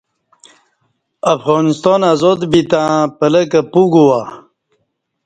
افغانستان آزاد بیتں پلہ کہ پوگوا